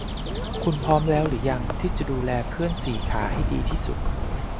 คุณพร้อมแล้วหรือยังที่จะดูแลเพื่อนสี่ขาให้ดีที่สุด